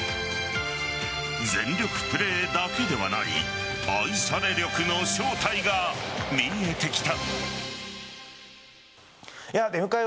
全力プレーだけではない愛され力の正体が見えてきた。